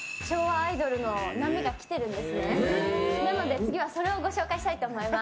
次はそれをご紹介したいと思います。